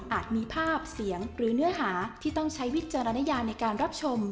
มีภาพเสียงหรือเนื้อหาที่ต้องใช้วิจารณญาในการรับชม